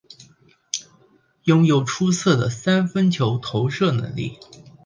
拥有出色的三分球投射能力。